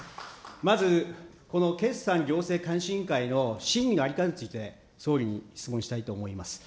まずこの決算行政監視委員会の審議の在り方について、総理に質問したいと思います。